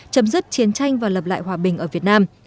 chấm dứt chiến tranh và lập lại hòa bình ở việt nam